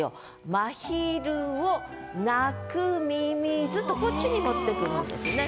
真昼を鳴く蚯蚓」とこっちに持ってくるんですね。